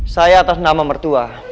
saya atas nama mertua